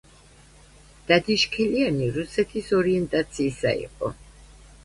დადიშქელიანი რუსეთის ორიენტაციისა იყო.